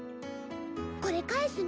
これ返すね。